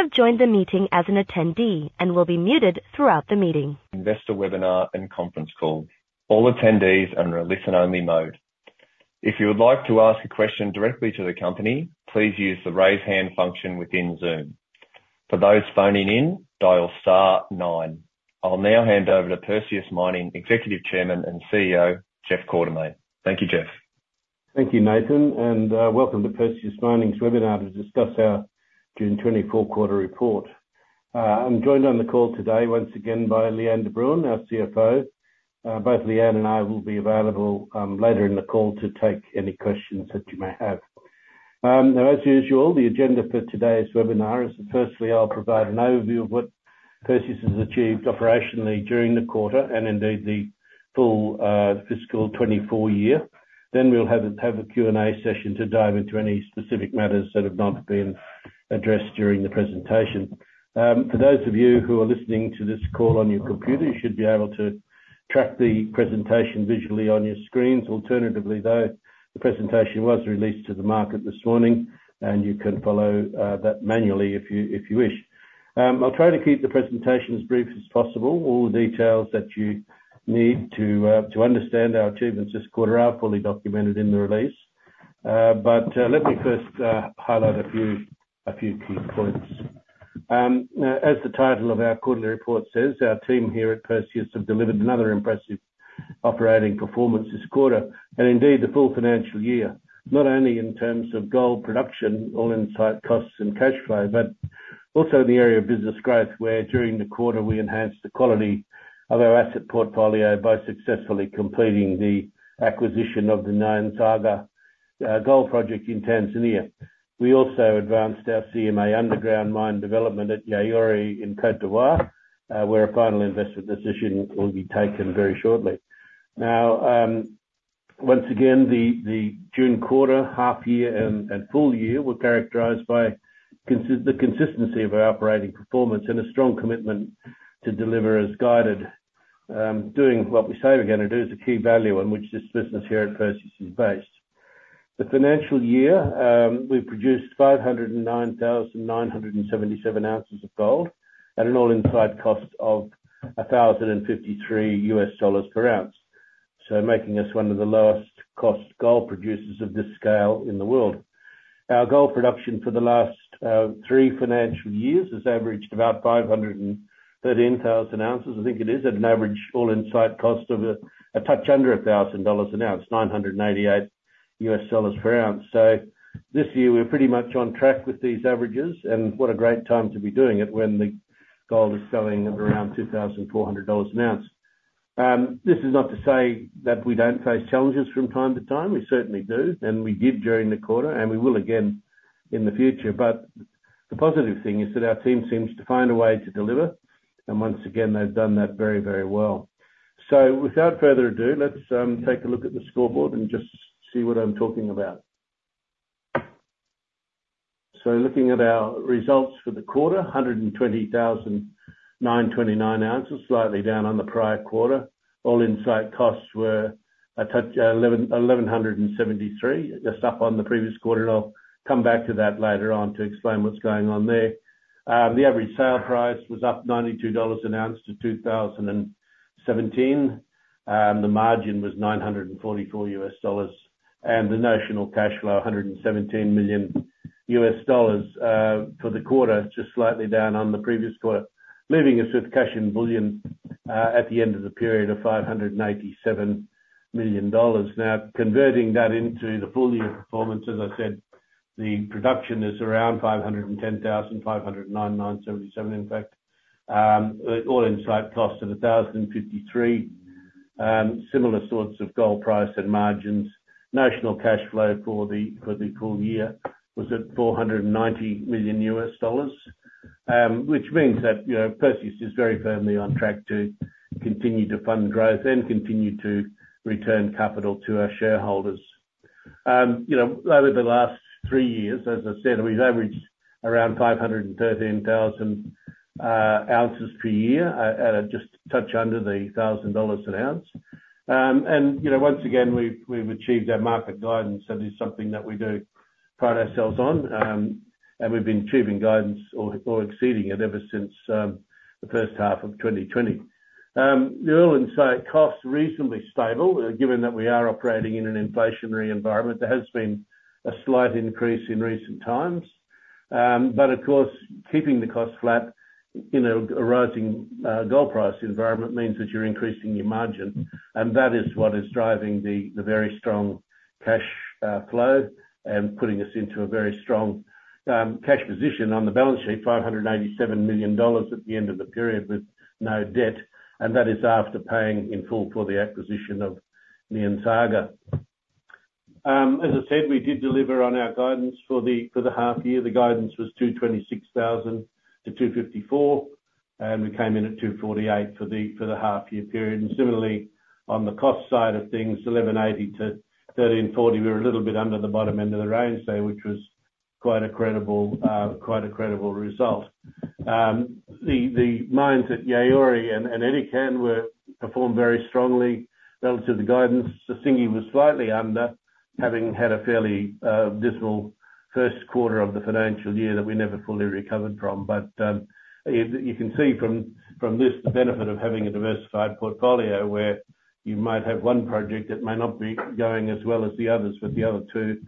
You have joined the meeting as an attendee and will be muted throughout the meeting. Investor webinar and conference call. All attendees are in a listen-only mode. If you would like to ask a question directly to the company, please use the Raise Hand function within Zoom. For those phoning in, dial star nine. I'll now hand over to Perseus Mining Executive Chairman and CEO, Jeff Quartermaine. Thank you, Jeff. Thank you, Nathan, and welcome to Perseus Mining's webinar to discuss our June 2024 quarter report. I'm joined on the call today, once again, by Leanne de Bruin, our CFO. Both Leanne and I will be available later in the call to take any questions that you may have. Now, as usual, the agenda for today's webinar is, firstly, I'll provide an overview of what Perseus has achieved operationally during the quarter, and indeed, the full fiscal 2024 year. Then we'll have a Q&A session to dive into any specific matters that have not been addressed during the presentation. For those of you who are listening to this call on your computer, you should be able to track the presentation visually on your screens. Alternatively, though, the presentation was released to the market this morning, and you can follow that manually if you, if you wish. I'll try to keep the presentation as brief as possible. All the details that you need to to understand our achievements this quarter are fully documented in the release. But let me first highlight a few, a few key points. As the title of our quarterly report says, our team here at Perseus have delivered another impressive operating performance this quarter, and indeed, the full financial year, not only in terms of gold production, all-in site costs and cash flow, but also in the area of business growth, where during the quarter we enhanced the quality of our asset portfolio by successfully completing the acquisition of the Nyanzaga Gold Project in Tanzania. We also advanced our CMA Underground mine development at Yaouré in Côte d'Ivoire, where a final investment decision will be taken very shortly. Now, once again, the June quarter, half year, and full year were characterized by the consistency of our operating performance and a strong commitment to deliver as guided. Doing what we say we're gonna do is a key value on which this business here at Perseus is based. The financial year, we've produced 509,977 ounces of gold at an all-in site cost of $1,053 per ounce, so making us one of the lowest cost gold producers of this scale in the world. Our gold production for the last three financial years has averaged about 513,000 ounces. I think it is at an average all-in site cost of a touch under $1,000 an ounce, $988 per ounce. So this year we're pretty much on track with these averages, and what a great time to be doing it when the gold is selling at around $2,400 an ounce. This is not to say that we don't face challenges from time to time. We certainly do, and we did during the quarter, and we will again in the future. But the positive thing is that our team seems to find a way to deliver, and once again, they've done that very, very well. So without further ado, let's take a look at the scoreboard and just see what I'm talking about. So looking at our results for the quarter, 129,029 ounces, slightly down on the prior quarter. All-in site costs were a touch, 1,173, just up on the previous quarter. I'll come back to that later on to explain what's going on there. The average sale price was up $92 an ounce to $2,017. The margin was $944, and the notional cashflow, $117 million, for the quarter, just slightly down on the previous quarter, leaving us with cash and bullion, at the end of the period of $587 million. Now, converting that into the full year performance, as I said, the production is around 510,509,977. In fact, all-in site cost of $1,053, similar sorts of gold price and margins. Notional cashflow for the full year was at $490 million, which means that, you know, Perseus is very firmly on track to continue to fund growth and continue to return capital to our shareholders. You know, over the last three years, as I said, we've averaged around 513,000 ounces per year at a just touch under $1,000 an ounce. And, you know, once again, we've achieved our market guidance. That is something that we do pride ourselves on, and we've been achieving guidance or exceeding it ever since the first half of 2020. The all-in site cost, reasonably stable, given that we are operating in an inflationary environment, there has been a slight increase in recent times. But of course, keeping the cost flat in a rising gold price environment means that you're increasing your margin, and that is what is driving the very strong cash flow and putting us into a very strong cash position on the balance sheet, $587 million at the end of the period, with no debt, and that is after paying in full for the acquisition of Nyanzaga. As I said, we did deliver on our guidance for the half year. The guidance was 226,000-254,000, and we came in at 248,000 for the half year period. And similarly, on the cost side of things, $1,180-$1,340, we're a little bit under the bottom end of the range there, which was quite a credible, quite a credible result. The mines at Yaouré and Edikan performed very strongly relative to the guidance. Sissingué was slightly under, having had a fairly dismal first quarter of the financial year that we never fully recovered from. But you can see from this the benefit of having a diversified portfolio, where you might have one project that may not be going as well as the others, but the other two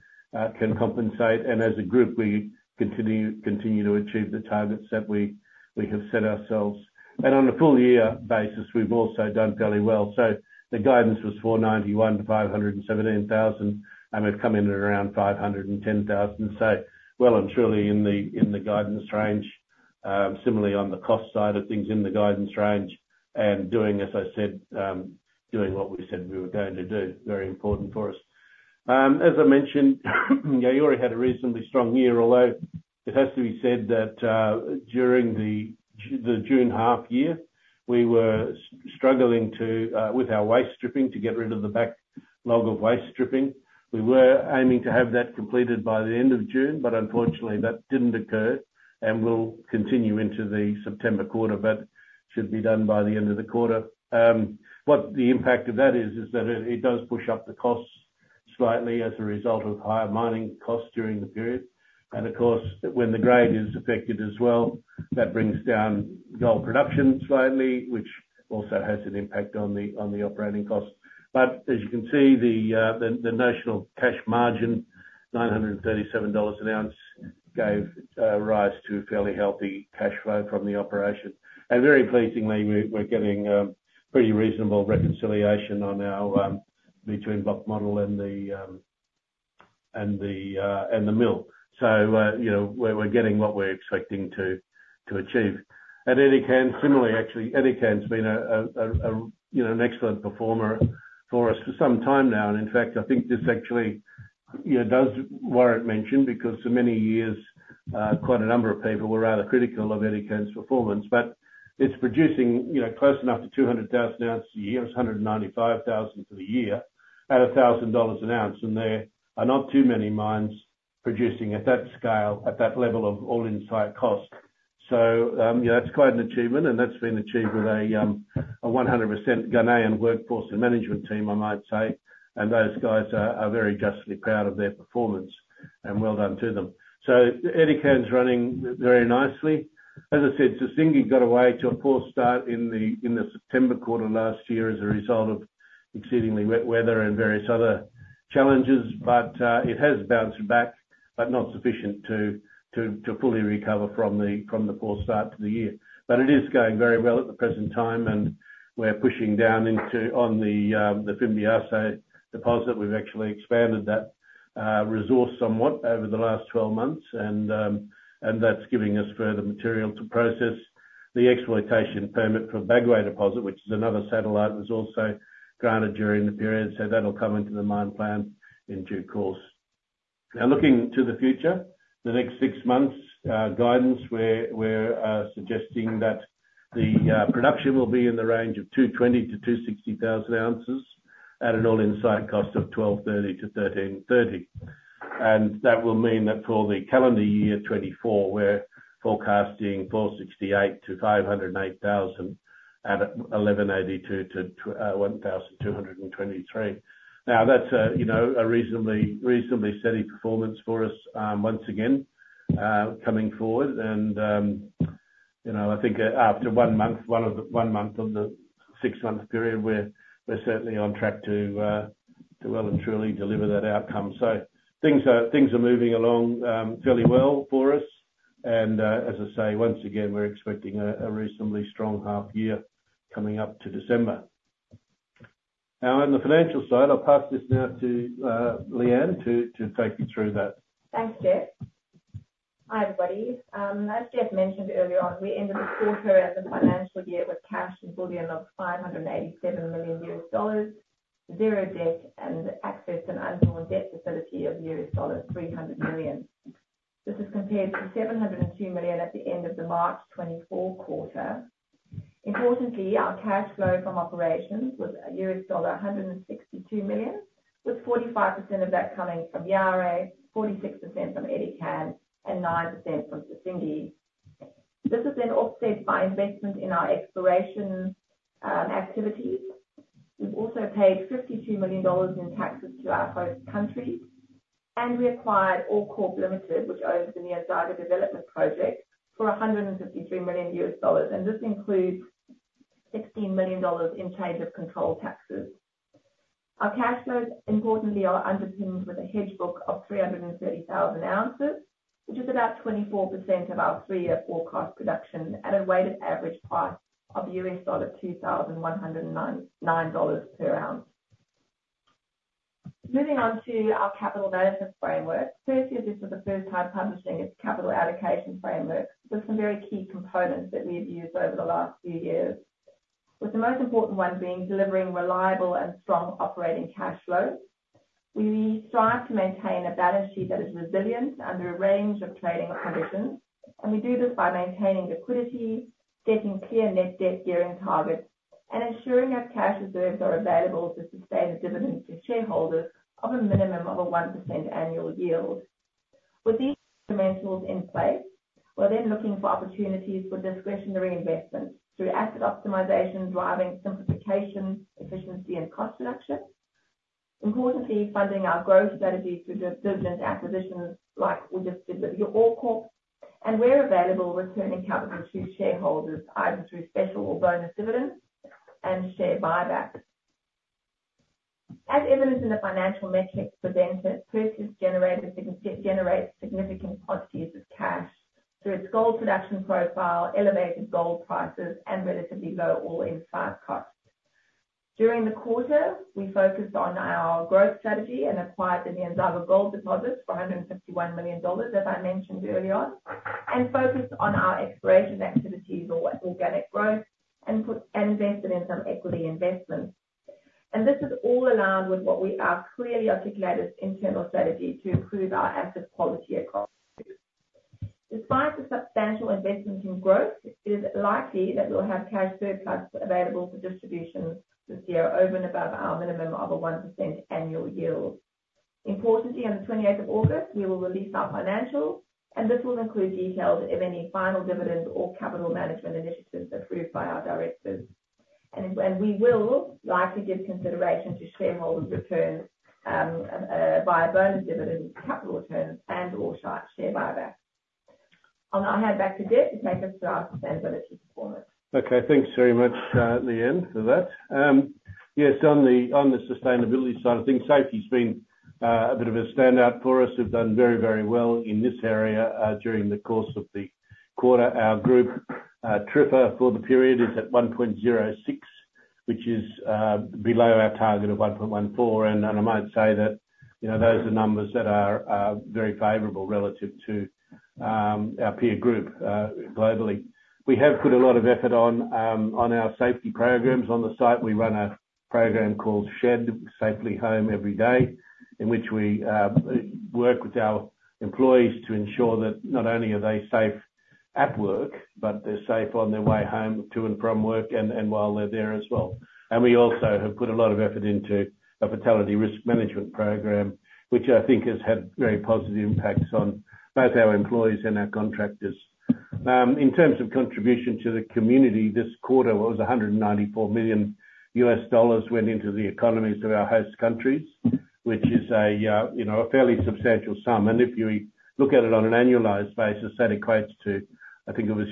can compensate. And as a group, we continue to achieve the targets that we have set ourselves. And on a full year basis, we've also done fairly well. So the guidance was 491,000-517,000, and we've come in at around 510,000. So well and truly in the, in the guidance range. Similarly on the cost side of things, in the guidance range and doing, as I said, doing what we said we were going to do. Very important for us. As I mentioned, Yaouré had a reasonably strong year, although it has to be said that, during the the June half year, we were struggling to with our waste stripping, to get rid of the backlog of waste stripping. We were aiming to have that completed by the end of June, but unfortunately, that didn't occur and will continue into the September quarter, but should be done by the end of the quarter. What the impact of that is, is that it does push up the costs slightly as a result of higher mining costs during the period. And of course, when the grade is affected as well, that brings down gold production slightly, which also has an impact on the operating costs. But as you can see, the notional cash margin, $937 an ounce, gave rise to fairly healthy cash flow from the operation. And very pleasingly, we're getting pretty reasonable reconciliation on our between block model and the mill. So, you know, we're getting what we're expecting to achieve. At Edikan, similarly, actually, Edikan's been, you know, an excellent performer for us for some time now. In fact, I think this actually, you know, does warrant mention, because for many years, quite a number of people were rather critical of Edikan's performance. But it's producing, you know, close enough to 200,000 ounces a year. It's 195,000 for the year at $1,000 an ounce, and there are not too many mines producing at that scale, at that level of all-in site cost. So, you know, that's quite an achievement, and that's been achieved with a, a 100% Ghanaian workforce and management team, I might say, and those guys are, are very justly proud of their performance, and well done to them. So Edikan's running very nicely. As I said, Sissingué got away to a poor start in the September quarter last year as a result of exceedingly wet weather and various other challenges, but it has bounced back, but not sufficient to fully recover from the poor start to the year. But it is going very well at the present time, and we're pushing down into on the Fimbiasso deposit. We've actually expanded that resource somewhat over the last 12 months, and that's giving us further material to process. The exploitation permit for Bagoué deposit, which is another satellite, was also granted during the period, so that'll come into the mine plan in due course. Now, looking to the future, the next six months, guidance, we're suggesting that the production will be in the range of 220,000ounces-260,000 ounces at an all-in site cost of $1,230-$1,330. And that will mean that for the calendar year 2024, we're forecasting 46,000 ounces-508,000ounce at $1,182-$1,223. Now, that's you know a reasonably steady performance for us, once again coming forward. And, you know, I think after one month of the six-month period, we're certainly on track to well and truly deliver that outcome. So things are moving along fairly well for us. As I say, once again, we're expecting a reasonably strong half year coming up to December. Now, on the financial side, I'll pass this now to Leanne to take you through that. Thanks, Jeff. Hi, everybody. As Jeff mentioned earlier on, we ended the quarter and the financial year with cash and bullion of $587 million, zero debt, and access to undrawn debt facility of $300 million. This is compared to $702 million at the end of the March 2024 quarter. Importantly, our cash flow from operations was $162 million, with 45% of that coming from Yaouré, 46% from Edikan, and 9% from Sissingué. This has been offset by investment in our exploration activities. We've also paid $52 million in taxes to our host countries, and we acquired OreCorp Limited, which owns the Nyanzaga Gold Project, for $153 million, and this includes $16 million in change of control taxes. Our cash flows, importantly, are underpinned with a hedge book of 330,000 ounces, which is about 24% of our three-year forecast production at a weighted average price of $2,109.99 per ounce. Moving on to our capital management framework. Perseus, this is the first time publishing its capital allocation framework. There's some very key components that we've used over the last few years, with the most important one being delivering reliable and strong operating cash flows. We strive to maintain a balance sheet that is resilient under a range of trading conditions, and we do this by maintaining liquidity, getting clear net debt gearing targets and ensuring our cash reserves are available to sustain a dividend to shareholders of a minimum of a 1% annual yield. With these dimensionals in place, we're then looking for opportunities for discretionary investments through asset optimization, driving simplification, efficiency, and cost reduction. Importantly, funding our growth strategy through dividend acquisitions, like we just did with OreCorp, and where available, returning capital to shareholders, either through special or bonus dividends and share buybacks. As evident in the financial metrics for Ventas, Perseus generates significant quantities of cash through its gold production profile, elevated gold prices, and relatively low all-in spot costs. During the quarter, we focused on our growth strategy and acquired the Nyanzaga gold deposit for $151 million, as I mentioned early on, and focused on our exploration activities or organic growth, and invested in some equity investments. This is all aligned with what we are clearly articulated internal strategy to improve our asset quality and cost. Despite the substantial investments in growth, it is likely that we'll have cash surplus available for distribution this year, over and above our minimum of a 1% annual yield. Importantly, on the twenty-eighth of August, we will release our financials, and this will include details of any final dividends or capital management initiatives approved by our directors. And we will likely give consideration to shareholder returns via bonus dividends, capital returns, and/or share buybacks. I'll hand back to Geoff to take us through our sustainability performance. Okay, thanks very much, Leanne, for that. Yes, on the sustainability side of things, safety's been a bit of a standout for us. We've done very, very well in this area during the course of the quarter. Our group TRIFR for the period is at 1.06, which is below our target of 1.14. And, and I might say that, you know, those are numbers that are very favorable relative to our peer group globally. We have put a lot of effort on our safety programs. On the site, we run a program called SHED, Safely Home Every Day, in which we work with our employees to ensure that not only are they safe at work, but they're safe on their way home to and from work, and while they're there as well. And we also have put a lot of effort into a fatality risk management program, which I think has had very positive impacts on both our employees and our contractors. In terms of contribution to the community, this quarter, it was $194 million went into the economies of our host countries, which is a you know a fairly substantial sum. If you look at it on an annualized basis, that equates to, I think it was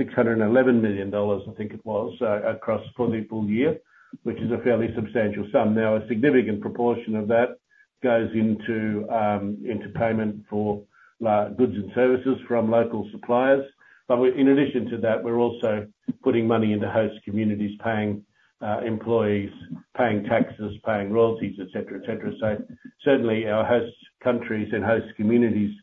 $611 million, I think it was, across for the full year, which is a fairly substantial sum. Now, a significant proportion of that goes into payment for goods and services from local suppliers. In addition to that, we're also putting money into host communities, paying employees, paying taxes, paying royalties, et cetera, et cetera. So certainly our host countries and host communities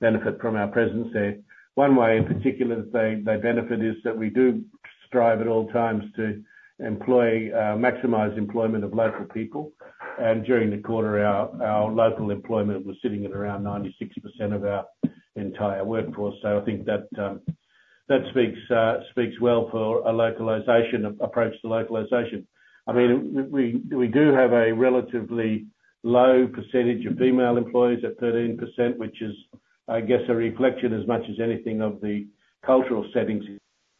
benefit from our presence there. One way, in particular, that they benefit, is that we do strive at all times to employ maximize employment of local people. And during the quarter, our local employment was sitting at around 96% of our entire workforce. So I think that that speaks well for a localization approach to localization. I mean, we do have a relatively low percentage of female employees at 13%, which is, I guess, a reflection as much as anything, of the cultural settings,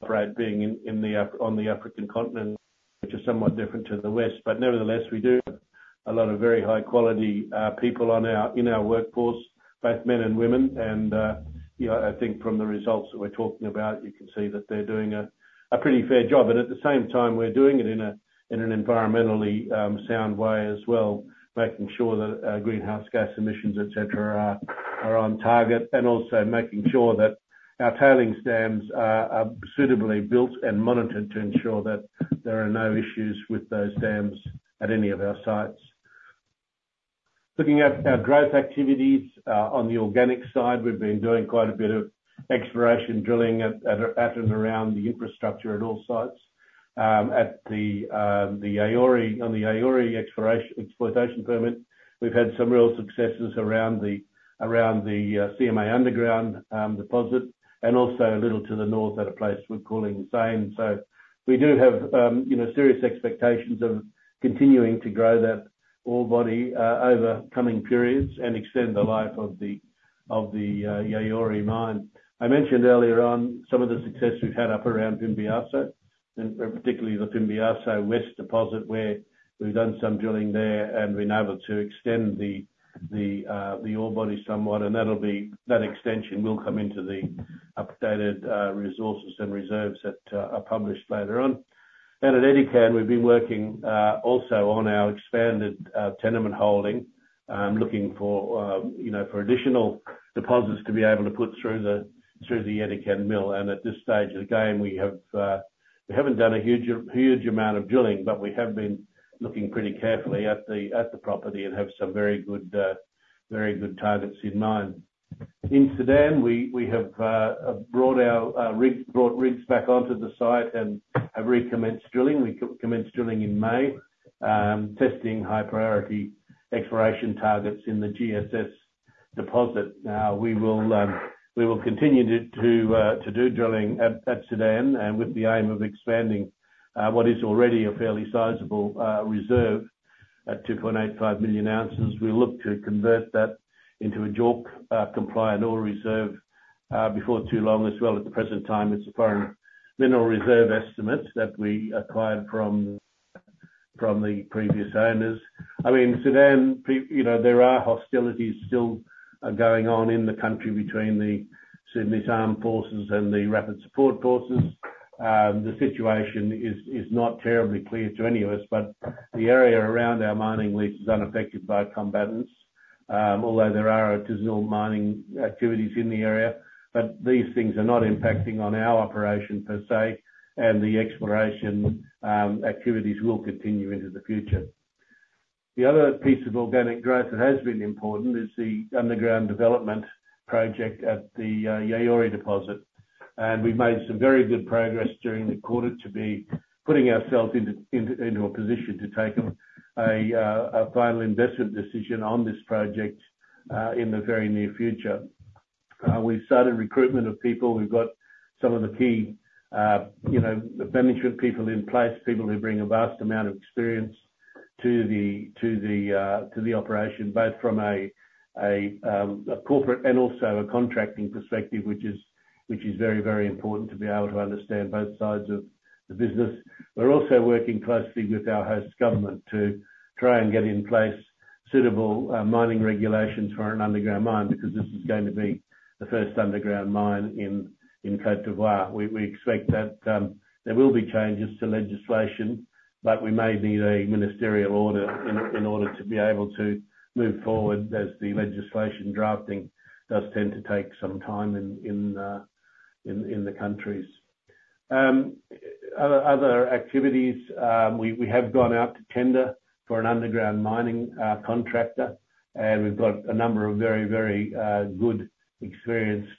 right, being on the African continent, which is somewhat different to the West. But nevertheless, we do have a lot of very high quality people in our workforce, both men and women. And you know, I think from the results that we're talking about, you can see that they're doing a pretty fair job. And at the same time, we're doing it in an environmentally sound way as well, making sure that greenhouse gas emissions, et cetera, are on target. Also making sure that our tailings dams are suitably built and monitored to ensure that there are no issues with those dams at any of our sites. Looking at our growth activities, on the organic side, we've been doing quite a bit of exploration, drilling at and around the infrastructure at all sites. At the Yaouré, on the Yaouré Exploration-Exploitation Permit, we've had some real successes around the CMA Underground deposit, and also a little to the north at a place we're calling Zani. So we do have, you know, serious expectations of continuing to grow that ore body over coming periods and extend the life of the Yaouré mine. I mentioned earlier on some of the success we've had up around Mbiasso, and particularly the Mbiasso West deposit, where we've done some drilling there and been able to extend the ore body somewhat, and that extension will come into the updated resources and reserves that are published later on. And at Edikan, we've been working also on our expanded tenement holding, looking for, you know, for additional deposits to be able to put through the Edikan mill. And at this stage of the game, we haven't done a huge amount of drilling, but we have been looking pretty carefully at the property and have some very good targets in mind. In Sudan, we have brought our rigs back onto the site and have recommenced drilling. We commenced drilling in May, testing high-priority exploration targets in the GSS deposit. Now, we will continue to do drilling at Sudan and with the aim of expanding what is already a fairly sizable reserve at 2.85 million ounces. We look to convert that into a JORC compliant ore reserve before too long as well. At the present time, it's a foreign mineral reserve estimates that we acquired from the previous owners. I mean, Sudan, you know, there are hostilities still going on in the country between the Sudanese Armed Forces and the Rapid Support Forces. The situation is not terribly clear to any of us, but the area around our mining lease is unaffected by combatants. Although there are artisanal mining activities in the area, but these things are not impacting on our operation per se, and the exploration activities will continue into the future. The other piece of organic growth that has been important is the underground development project at the Yaouré deposit. We've made some very good progress during the quarter to be putting ourselves into a position to take a final investment decision on this project in the very near future. We've started recruitment of people. We've got some of the key, you know, the management people in place, people who bring a vast amount of experience to the operation, both from a corporate and also a contracting perspective, which is very important to be able to understand both sides of the business. We're also working closely with our host government to try and get in place suitable mining regulations for an underground mine, because this is going to be the first underground mine in Côte d'Ivoire. We expect that there will be changes to legislation, but we may need a ministerial order in order to be able to move forward, as the legislation drafting does tend to take some time in the countries. Other activities, we have gone out to tender for an underground mining contractor, and we've got a number of very good, experienced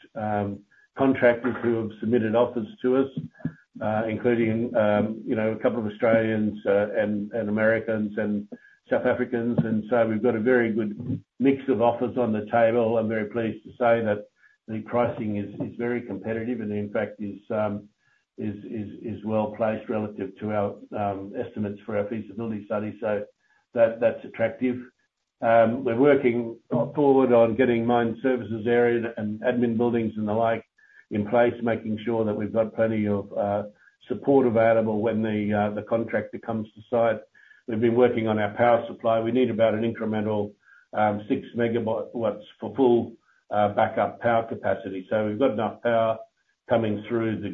contractors who have submitted offers to us. Including you know, a couple of Australians and Americans and South Africans, and so we've got a very good mix of offers on the table. I'm very pleased to say that the pricing is very competitive and in fact is well placed relative to our estimates for our feasibility study, so that's attractive. We're working forward on getting mine services area and admin buildings, and the like, in place, making sure that we've got plenty of support available when the contractor comes to site. We've been working on our power supply. We need about an incremental 6 MW for full backup power capacity. So we've got enough power coming through the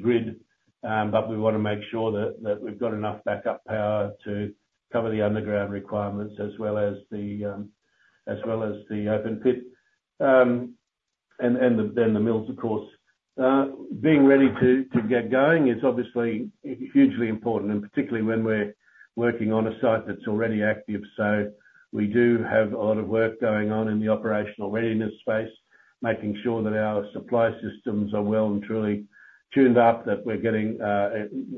grid, but we wanna make sure that we've got enough backup power to cover the underground requirements, as well as the open pit, and then the mills, of course. Being ready to get going is obviously hugely important, and particularly when we're working on a site that's already active. So we do have a lot of work going on in the operational readiness space, making sure that our supply systems are well and truly tuned up, that we're getting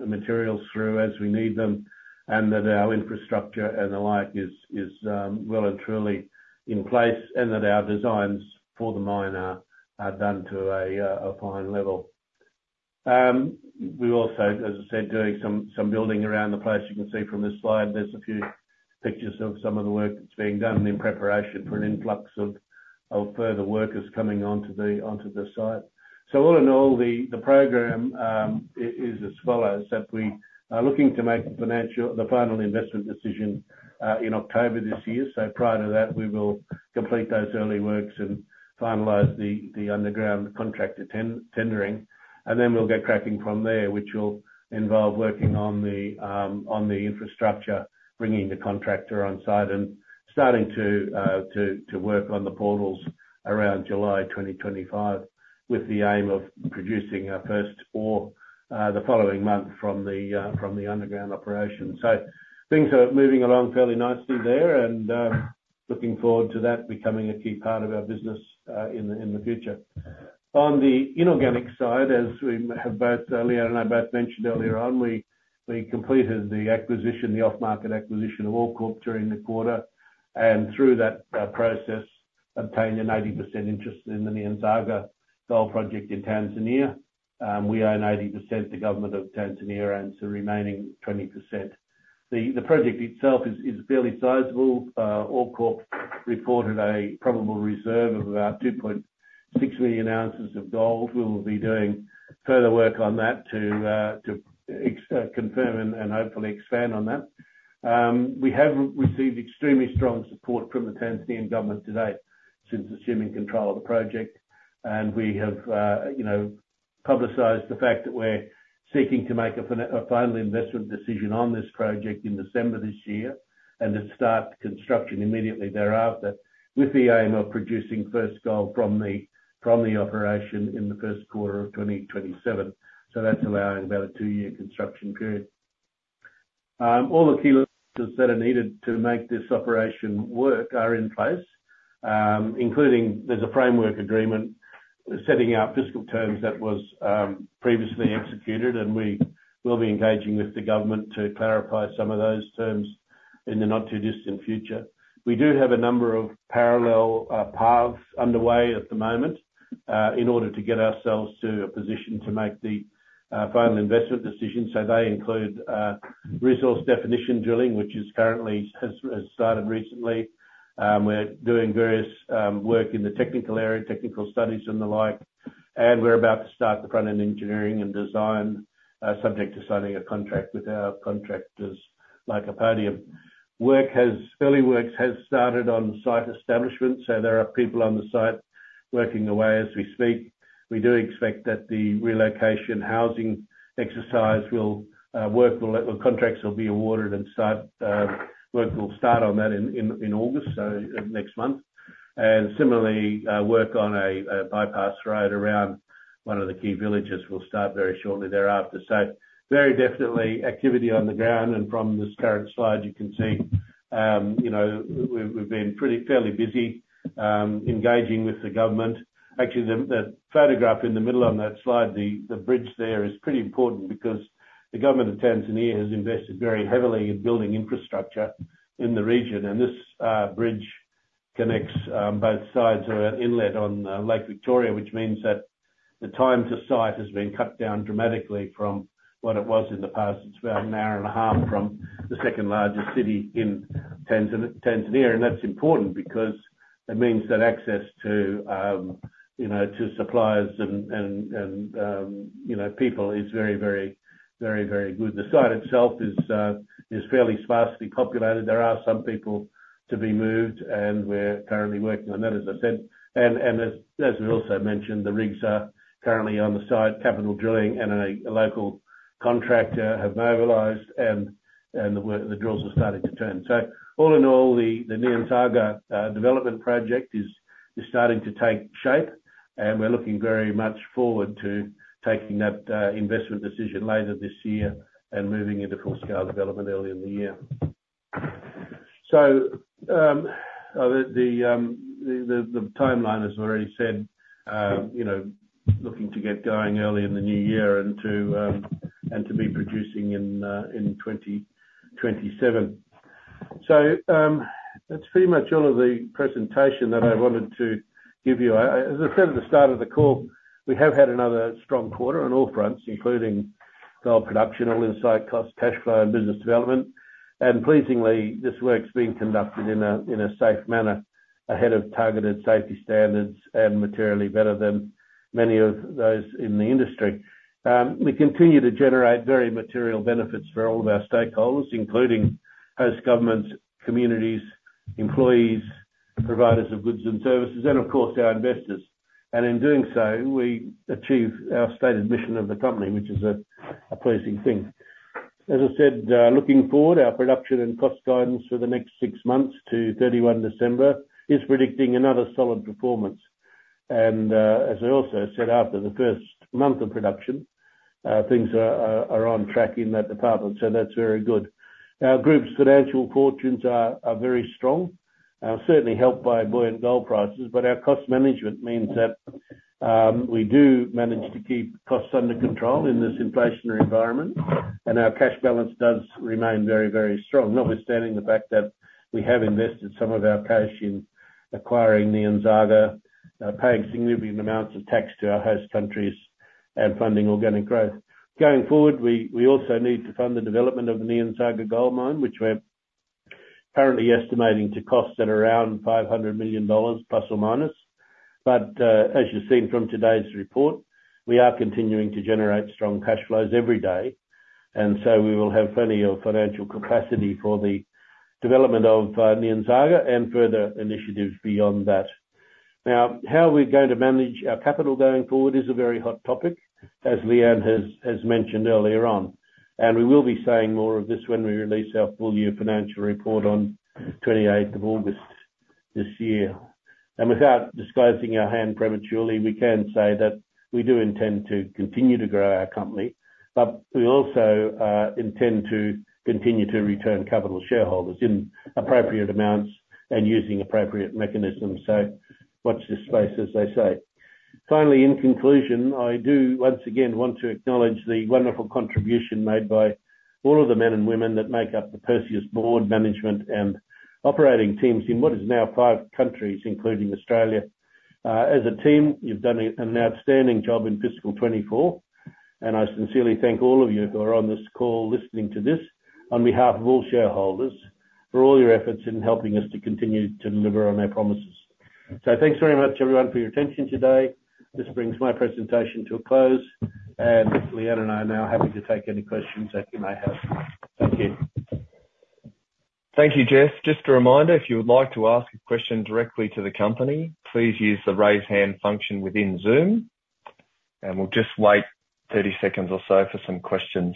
materials through as we need them, and that our infrastructure and the like is well and truly in place, and that our designs for the mine are done to a fine level. We're also, as I said, doing some building around the place. You can see from this slide, there's a few pictures of some of the work that's being done in preparation for an influx of further workers coming onto the site. So all in all, the program is as follows: that we are looking to make the final investment decision in October this year. So prior to that, we will complete those early works and finalize the underground contract tendering, and then we'll get cracking from there, which will involve working on the infrastructure, bringing the contractor on site, and starting to work on the portals around July 2025, with the aim of producing our first ore the following month from the underground operation. So things are moving along fairly nicely there, and looking forward to that becoming a key part of our business in the future. On the inorganic side, as we have both Leanne and I both mentioned earlier on, we completed the acquisition, the off-market acquisition of OreCorp during the quarter, and through that process, obtained an 80% interest in the Nyanzaga Gold Project in Tanzania. We own 80%, the government of Tanzania owns the remaining 20%. The project itself is fairly sizable. OreCorp reported a probable reserve of about 2.6 million ounces of gold. We will be doing further work on that to confirm and hopefully expand on that. We have received extremely strong support from the Tanzanian government to date, since assuming control of the project. We have, you know, publicized the fact that we're seeking to make a final investment decision on this project in December this year, and to start construction immediately thereafter, with the aim of producing first gold from the operation in the first quarter of 2027. So that's allowing about a two-year construction period. All the key leases that are needed to make this operation work are in place, including there's a framework agreement setting out fiscal terms that was previously executed, and we will be engaging with the government to clarify some of those terms in the not-too-distant future. We do have a number of parallel paths underway at the moment, in order to get ourselves to a position to make the final investment decision. So they include resource definition drilling, which is currently has started recently. We're doing various work in the technical area, technical studies and the like, and we're about to start the front-end engineering and design, subject to signing a contract with our contractors, like Podium. Early works has started on site establishment, so there are people on the site working away as we speak. We do expect that the relocation housing exercise will work, contracts will be awarded and start, work will start on that in August, so next month. And similarly, work on a bypass road around one of the key villages will start very shortly thereafter. So very definitely activity on the ground, and from this current slide, you can see, you know, we've been pretty fairly busy, engaging with the government. Actually, the photograph in the middle on that slide, the bridge there is pretty important because the government of Tanzania has invested very heavily in building infrastructure in the region, and this bridge connects both sides of an inlet on Lake Victoria, which means that the time to site has been cut down dramatically from what it was in the past. It's about an hour and a half from the second largest city in Tanzania, and that's important because it means that access to, you know, to suppliers and people is very, very, very, very good. The site itself is fairly sparsely populated. There are some people to be moved, and we're currently working on that, as I said. And as we also mentioned, the rigs are currently on the site. Capital Drilling and a local contractor have mobilized, and the drills are starting to turn. So all in all, the Nyanzaga development project is starting to take shape, and we're looking very much forward to taking that investment decision later this year and moving into full-scale development early in the year. So, the timeline, as I already said, you know, looking to get going early in the new year and to be producing in 2027. So, that's pretty much all of the presentation that I wanted to give you. As I said at the start of the call, we have had another strong quarter on all fronts, including gold production, all-in site cost, cash flow, and business development. Pleasingly, this work's being conducted in a safe manner, ahead of targeted safety standards and materially better than many of those in the industry. We continue to generate very material benefits for all of our stakeholders, including host governments, communities, employees, providers of goods and services, and of course, our investors. And in doing so, we achieve our stated mission of the company, which is a pleasing thing. As I said, looking forward, our production and cost guidance for the next six months to 31 December is predicting another solid performance. And, as I also said, after the first month of production, things are on track in that department, so that's very good. Our group's financial fortunes are very strong, certainly helped by buoyant gold prices, but our cost management means that we do manage to keep costs under control in this inflationary environment, and our cash balance does remain very, very strong, notwithstanding the fact that we have invested some of our cash in acquiring Nyanzaga, paying significant amounts of tax to our host countries and funding organic growth. Going forward, we also need to fund the development of the Nyanzaga Gold Mine, which we're currently estimating to cost at around $500 million ±. But, as you've seen from today's report, we are continuing to generate strong cash flows every day, and so we will have plenty of financial capacity for the development of Nyanzaga and further initiatives beyond that. Now, how we're going to manage our capital going forward is a very hot topic, as Leanne has mentioned earlier on, and we will be saying more of this when we release our full year financial report on 28th of August this year. And without disclosing our hand prematurely, we can say that we do intend to continue to grow our company, but we also intend to continue to return capital to shareholders in appropriate amounts and using appropriate mechanisms. So watch this space, as they say. Finally, in conclusion, I do once again want to acknowledge the wonderful contribution made by all of the men and women that make up the Perseus board management and operating teams in what is now five countries, including Australia. As a team, you've done an outstanding job in fiscal 2024, and I sincerely thank all of you who are on this call listening to this, on behalf of all shareholders, for all your efforts in helping us to continue to deliver on our promises. So thanks very much, everyone, for your attention today. This brings my presentation to a close, and Leanne and I are now happy to take any questions that you may have. Thank you. Thank you, Jeff. Just a reminder, if you would like to ask a question directly to the company, please use the Raise Hand function within Zoom, and we'll just wait 30 seconds or so for some questions.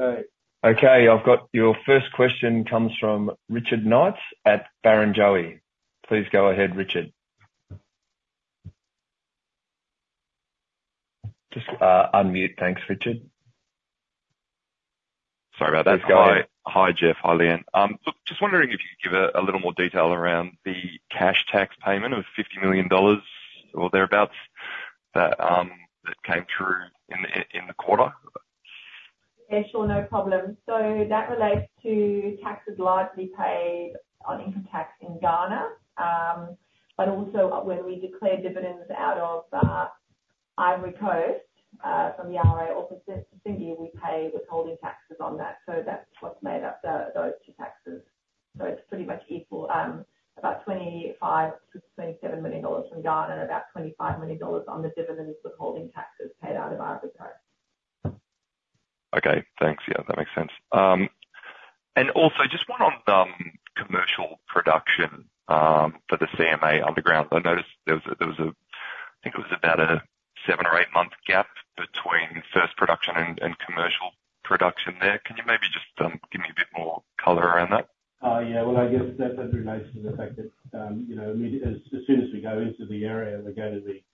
Okay, I've got your first question comes from Richard Knights at Barrenjoey. Please go ahead, Richard. Just, unmute. Thanks, Richard. Sorry about that. Go ahead. Hi, Jeff. Hi, Leanne. Look, just wondering if you could give a little more detail around the cash tax payment of $50 million or thereabouts, that came through in the quarter? Yeah, sure. No problem. So that relates to taxes largely paid on income tax in Ghana. But also when we declared dividends out of Ivory Coast, from Yaouré or from Sissingué, we paid withholding taxes on that, so that's what's made up those two taxes. So it's pretty much equal, about $25-$27 million from Ghana and about $25 million on the dividend withholding taxes paid out of Ivory Coast. Okay, thanks. Yeah, that makes sense. And also just one on commercial production for the CMA Underground. I noticed there was a, I think it was about a 7-month or 8-month gap between first production and commercial production there. Can you maybe just give me a bit more color around that? Yeah. Well, I guess that relates to the fact that, you know, as soon as we go into the area, we're going to be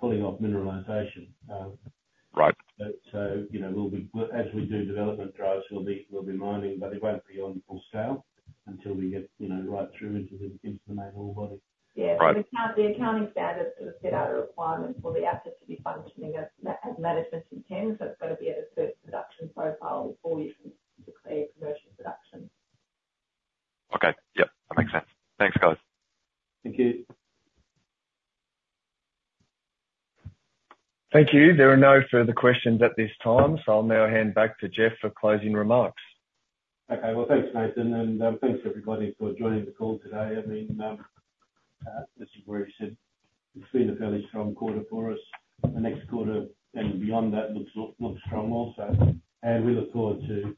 pulling off mineralization. Right. you know, we'll be mining as we do development drives, but it won't be on full scale until we get, you know, right through into the main ore body. Yeah. Right. The accounting standards sort of set out a requirement for the asset to be functioning as management intends, so it's got to be at a certain production profile before you can declare commercial production. Okay. Yep, that makes sense. Thanks, guys. Thank you. Thank you. There are no further questions at this time, so I'll now hand back to Jeff for closing remarks. Okay. Well, thanks, Nathan, and thanks, everybody, for joining the call today. I mean, this is where you said it's been a fairly strong quarter for us. The next quarter and beyond that looks strong also. And we look forward to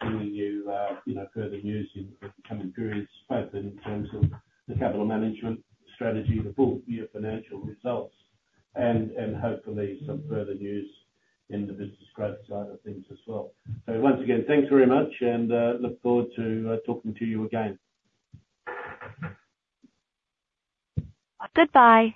bringing you, you know, further news in the coming periods, both in terms of the capital management strategy, the full year financial results, and hopefully some further news in the business growth side of things as well. So once again, thanks very much and look forward to talking to you again. Goodbye.